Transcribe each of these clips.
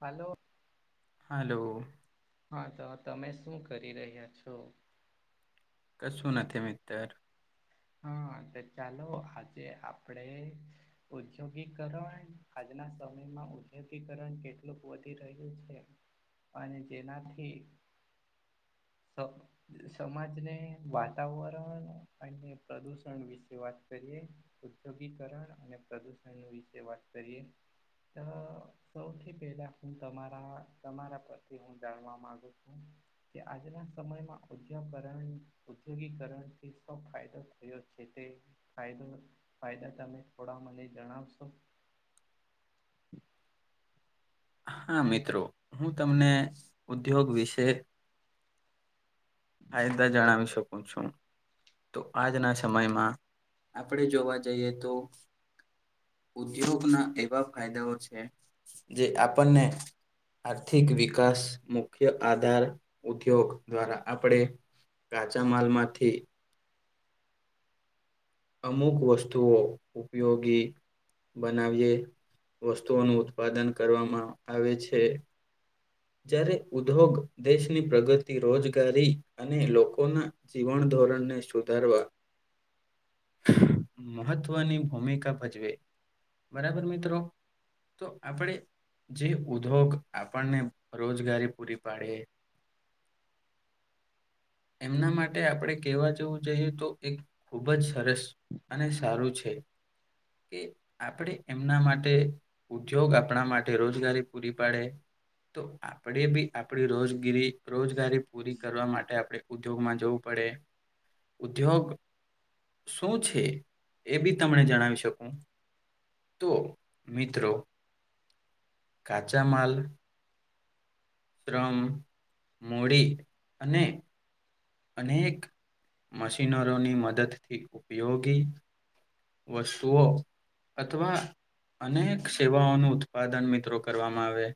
હાલો! Hello હા તો તમે શું કરી રહ્યા છો? કશું નથી મિત્ર. હા તો ચાલો આજે આપડે ઉદ્યોગીકરણ આજના સમયમાં ઉદ્યોગીકરણ કેટલુંક વધી રહ્યું છે. અને જેનાથી સ સમાજને વાતાવરણ અને પ્રદૂષણ વિશે વાત કરીએ. ઉદ્યોગીિકરણ અને પ્રદુષણ વિશે વાત કરીએ તો સૌથી પેલા હું તમારા તમારા પ્રતિ હું જાણવા માંગુ છું કે આજના સમયમાં ઉધ્યાકરણ ઉદ્યોગીિકરણથી સ ફાયદો છે તે ફાયદો ફાયદા તમે થોડા મને જણાવશો હા મિત્રો હું તમને ઉદ્યોગ વિશે હા ત જણાવી શક ું તો આજના સમયમાં આપણે જોવા જઈએ તો ઉદ્યોગના એવા ફાયદાઓ છે જે આપણને આર્થિક વિકાસ મુખ્ય આધાર ઉદ્યોગ દ્વારા આપણે કાચા માલમાંથી અમુક વસ્તુઓ ઉપયોગી બનાવીએ વસ્તુઓ ન ઉત્પાદન કરવામાં આવે છે જ્યારે ઉદ્યોગ દેશની પ્રગતિ રોજગારી અને લોકોના જીવન ધોરણને સુધારવા મહત્વની ભૂમિકા ભજવે બરાબર મિત્રો તો આપણે જે ઉદ્યોગ આપણને રોજગારી પૂરી પાડે એમના માટે આપણે કહેવા જેવું જઈએ તો એક ખૂબ જ સરસ અને સારું છે કે આપણે એમના માટે ઉદ્યોગ આપણા માટે રોજગારી પૂરી પાડે તો આપણે બી આપણી રોજગીરી રોજગારી પૂરી કરવા માટે આપણે ઉદ્યોગ માં જોવ પડે ઉદ્યોગ શું છે એ બી તમને જણાવી શકું તો મિત્રો કાચા માલ શ્રમ મૂડી અને અનેક મશીનરોની મદદથી ઉપયોગી વસ્તુઓ અથવા અનેક સેવાઓનું ઉત્પાદન મિત્રો કરવામાં આવે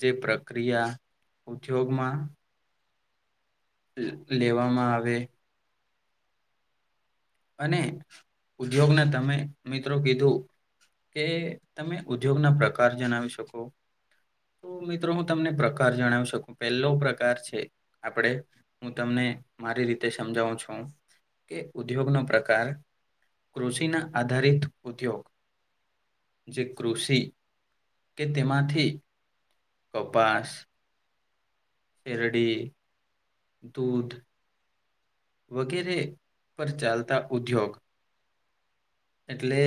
જે પ્રક્રિયા ઉદ્યોગમાં લેવામાં આવે અને ઉદ્યોગને તમે મિત્રો કીધું કે તમે ઉદ્યોગ ના પ્રકાર જણાવી શકો તો મિત્રો હું તમને પ્રકાર જણાવી શકું પહેલો પ્રકાર છે આપડ હું તમને મારી રીતે સમજાવું છું કે ઉદ્યોગનોો પ્રકાર કૃષિના આધારિત ઉદ્યોગ જે કૃષિ કે તેમાંથી કપાસ શેરડી દૂધ વગેરે પર ચાલતા ઉદ્યોગ એટલે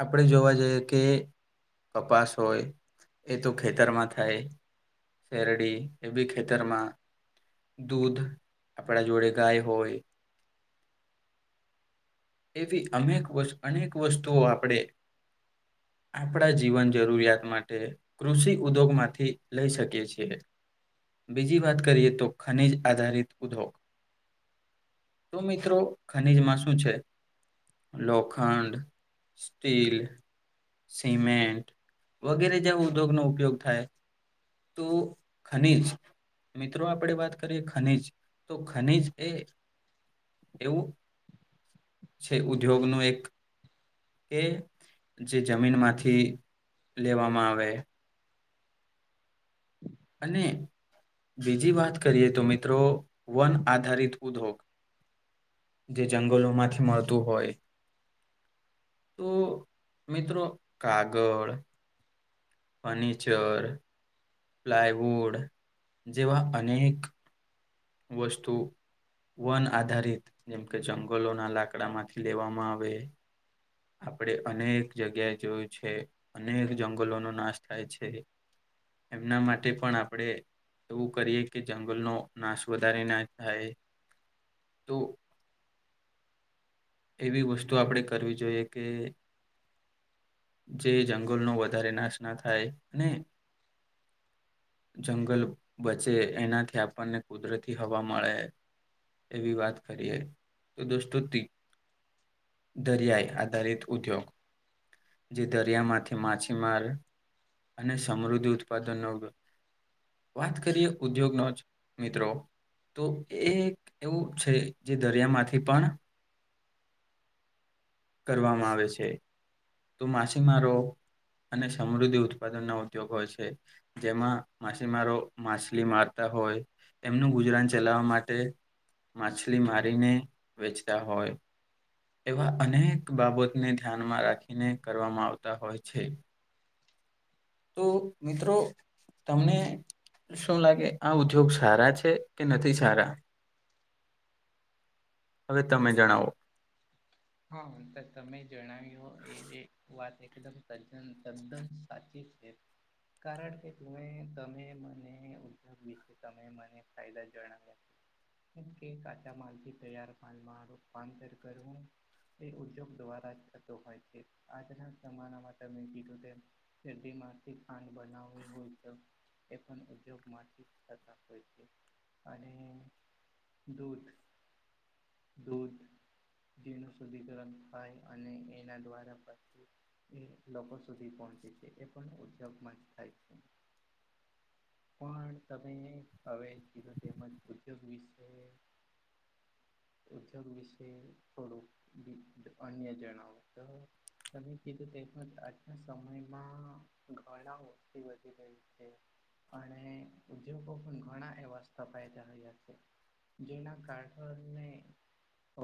આપણે જોવા જઈએ કે કપાસ હોય એ તો ખેતરમાં થાય શેરડી એ બી ખેતરમાં દૂધ આપણા જોડે ગાય હોય એવી અનેક વ અનેક વસ્તુઓ આપણે આપણા જીવન જરૂરિયાત માટે કૃષિ ઉદ્યોગ માંથી લઈ શકીએ છીએ બીજી વાત કરીએ તો ખનીજ આધારિત ઉદ્યોગ તો મિત્રો ખનીજ માં શું છે લોખંડ સ્ટીલ સિમેન્ટ વગેરે જે ઉદ્યોગનોો ઉપયોગ થાય તું ખનીજ મિત્રો આપણેે વાત કરીએ ખનીજ તો ખનીજ એ એવું [inaudible] છે ઉદ્યોગનો એક એ જે જમીનમાંથી લેવામાં આવે અને બીજી વાત કરીએ તો મિત્રો વન આધારિત ઉદ્યોગ જે જંગલો માંથી મળતું હોય તો મિત્રો કાગળ ફર્નીિચર પ્લાયવુડ જેવા અ અનેક વસ્તુ વન આધારિત જેમ કે જંગલોના લાકડા માંથી લેવામાં આવે આપણે અનેક જગ્યાએ જોયું છે અનેક જંગલોનો નાશ થાય છે એમના માટે પણ આપણેે એવું કરીએ કે જંગલનો નાશ વધારે ના થાય તો એવી વસ્તુ આપણે કરવી જોઈએ કે જે જંગલનો વધારે નાશ ના થાય અને જંગલ બચે એનાથી આપણને કુદરતી હવા મળે એવી વાત કરીએ તો દોસ્તો દરિયાઈ આધારિત ઉદ્યોગ જે દરિયામાંથી માછીમાર અને સમૃદ્ધિ ઉત્પાદનનો વાત કરીએ ઉદ્યોગ ન જ મિત્રો તો એ એક એવું છે જે દરિયામાંથી પણ કરવામાં આવે છે તો માછીમારો અને સમૃદ્ધિ ઉત્પાદન ના ઉદ્યોગ હોય છે જેમાં માછીમારો માછલી મારતા હોય એમનું ગુજરાન ચલાવવા માટે માછલી મારીને વેચતા હોય એવા અનેક બાબતને ધ્યાનમાં રાખીને કરવામાં આવતા હોય છે તો મિત્રો તમને શું લાગે આ ઉદ્યોગ સારા છે કે નથી સારા હવે તમે જણાવો હા તો તમે જણાવ્યો એ વાત એકદમ ત્ તદ્દન સાચી છે કારણ કે તુ તમે મને ઉગ વિશે તમે મને ફાયદા જણાવ્યા હ કે કાચા માલથી તૈયાર માલમાં રૂપાંતર કરવું તે ઉદ્યોગ દ્વારા થતો હોય છે આજનાના કીધું શેરડી માંથી ખાંડ બનાવવી હોય તો એ પણ ઉદ્યોગમાંથી થતા હોય છે અને દૂધ દૂધીનું શુદ્ધિકરણ થાય અને એના દ્વારા પછી એ લોકો સુધી પહોંચે છે એ પણ ઉદ્યોગ માં જ થાય છે પણ તમે હવે કીધું તેમજ ઉદ્યોગ વિશે ઉદ્યોગ વિશે થોડુંક અન્ય જણાવ તો તમે કીધું તે આજના સમયમાં ઘણા વસ્તી વધી રહી છે અને ઉદ્યોગો પણ ઘણા એવા સ્થપાયદા હો્યા છે જેના કારઢને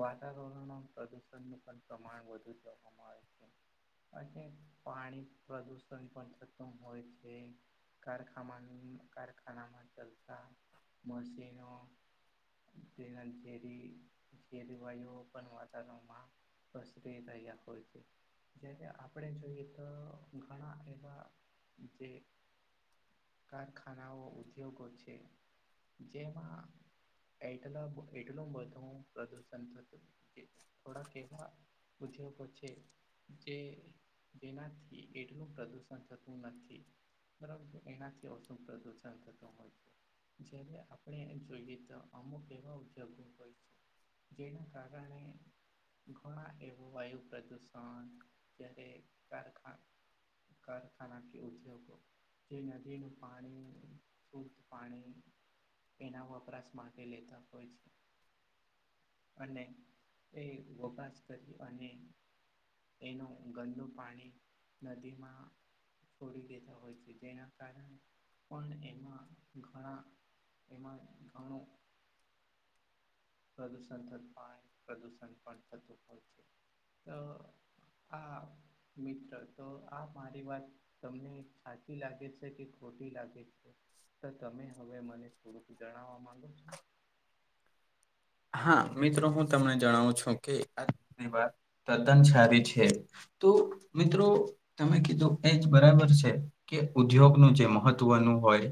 વાતાવરણમાં પ્રદુષણનું પણ પ્રમાણ વધુ જોવામાં આવે છે અને પાણી પ્રદુષણ પણ ખતમ હોય છે કારખ કારખનામામાં ચલતા મશનો જેરી ેરી વાયુ પણ વાતાવરણમાં બસરી તૈયા કો છે જ્યારે આપણે જોઈએ તો ઘણા એવા જે કારખાનાઓ ઉદ્યોગો છે જેમાં એટલા એટલ બધું પ્રદુષણ થતું થોડા કેવા બુજવા પડછે જે જેનાથી એટલું પ્રદુષણ થતું નથી બરોબર એનાથી ઓછું પ્રદુષણ થતું હોય છે જય્યારે આપણે એમ જોઈએ તો અમુક એવા ઉદ્યોગો હોય છે જેના કારણે ઘણા એવું વાયુ પ્રદુષણ જ્યારે કારખા કારખાના કે ઉદ્યોગો દીન અધીન પાણી ધૂધ પાણી એના વપરાશ માટે લેતા હોય છે અને એ વગાસ કરી અને એનું ગંદુ પાણી નદીમાં છોડી દેતા હોય છે જેના કારણે પણ એમાં ઘણા એમાં ઘણું પ્રદુષણ થત પ્રદુષણ પણ થતું હોય છે તો હા મિત્ર તો આ મારી વાત તમને સાચી લાગે છે કે ખોટી લાગે છે સર તમે હવે મને થોડુંકું જણાવવા માંગો છો હા મિત્રો હું તમને જણાવું છું કે આ વા તદ્દન સારી છે તો મિત્રો તમે કીધું એ જ બરાબર છે કે ઉદ્યોગનુંું જે મહત્વનું હોય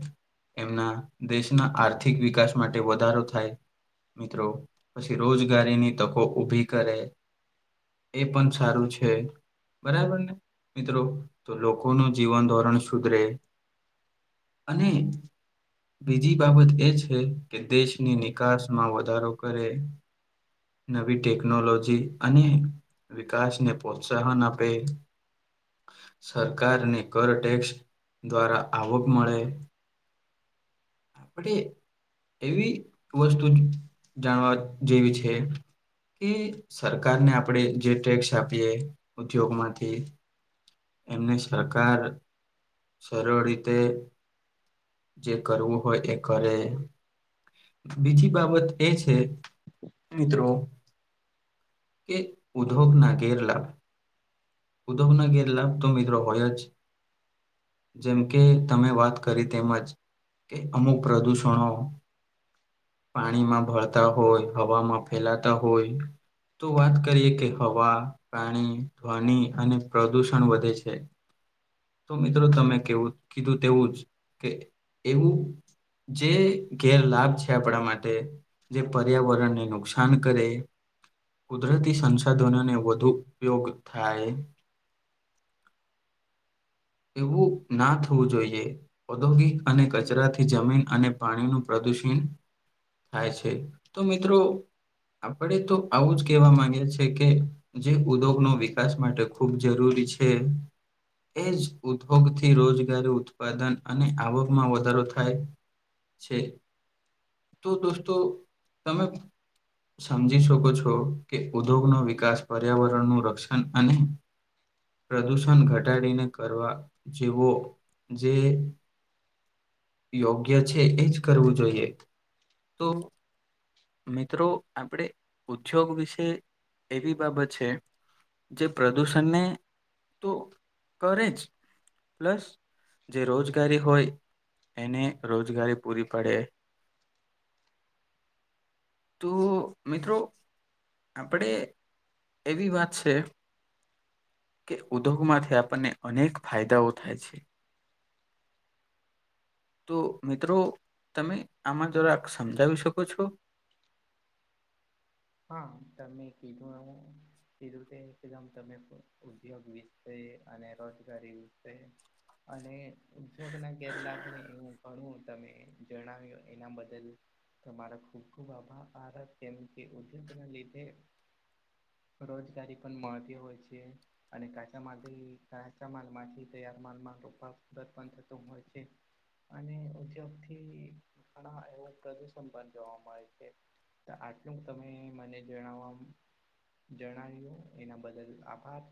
એમના દેશના આર્થિક વિકાસ માટે વધારો થાય મિત્રો પછી રોજગારીની તકો ઉઊભી કરે એ પણ સારું છે બરાબર ને મિત્રો તો લોકો ન જીવન ધોરણ સુધરે અને બીજી બાબત એ છે કે દેશની નિકાસ માં વધારો કરે નવી ટેકનોલોજી અને વિકાસ ને પ્રોત્સાહન આપે સરકાર ને કર ટેક્સ દ્વારા આવક મળે અપટે એવી વસ્તુ જાણવા જેવી છે કે સરકારને આપણે જે ટેક્સ આપીએ ઉદ્યોગમાંથી એમને સરકાર સરળ રીતે જે કરવું હોય એ કરે બીજી બાબત એ છે મિત્રો કે ઉધગ નાગેરલા ઉધવ ના ગેર લાભ તો મિત્રો હોય જ છે જેમ કે તમે વાત કરી તેમજ કે અમુક પ્રદૂષણો પાણીમાં ભળતા હોય હવામાં ફેલાતા હોય તો વાત કરીએ કે હવા પાણી ધ્વનિ અને પ્રદુષણ વધે છે [inaudible] તો મિત્રો તમે કેવું કીધું તેવું જ કે એવું જે ગેરલાભ છે આપડા માટે જે પર્યાવરણને નુકસાન કરે કુદરતી સંસાધનોને વધુ ઉપયોગ થાય એવું ના થવું જોઈએ. ઔદ્યોગિક અને કચરાથી જમીન અને પાણીનું પ્રદૂષિત. થાય છે તો, મિત્રો આપડે તો આવું જ કેહેવા માંગીએ છે કે જે ઉધોગનો વિકાસ માટે ખૂબ જરૂરી છે, એ જ. ઉત્પાદન, રોજગારી ઉત્પાદન અને આવકમાં વધારો થાય. છે તો, દોસ્તો, તમે. સમજી શકો છો કે ઉધોગ નો વિકાસ, પર્યાવરણનું રક્ષણ અને પ્રદૂષણ ઘટાડીને કરવા જેવું જ. યોગ્ય છે, એ જ કરવું જોઈએ તો. મિત્રો, આપડે ઉદ્યોગ વિશે એવી બાબત છે. જે પ્રદૂષણને તો. કરે જ પ્લસ. જે રોજગારી હોય, એને રોજગારી પૂરી પડે. [unintelligible] તો મિત્રો. આપડે એવી વાત છે કે, ઉધોગમાંથી આપ આપણને અનેક ફાયદાઓ થાય છે. તો મિત્રો, તમે આમાં જરાક સમજાવી શકો છો. હા, તમે કીધું એવું. કિધુ તે એકદમ તમે તો ઉદ્યોગ વિશે અને રોજગારી વિશે. અને ઉદ્યોગ ના ગેરલાભ ને એવું ઘણું તમે જણાવ્યું, એના બદલ. તમારા ખૂબ ખૂબ આભા. ર આ તેમ કે, ઉદ્યોગ લીધે. રોજગારી પણ મળતી હોય છે. અને કાચામાંથી, કાચા માલમાંથી તૈયાર માલમાં રૂપાંતર પણ થતું હોય છે. અને ઉદ્યોગથી ઘણા એવું પ્રદૂષણ પણ જોવા મળે છે. તો આઠ. આજે, હું તમે મને જણાવવા જણાવ્યો એના બદલ આભાર.